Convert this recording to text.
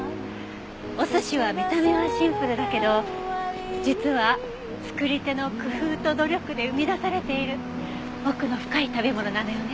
お寿司は見た目はシンプルだけど実は作り手の工夫と努力で生み出されている奥の深い食べ物なのよね。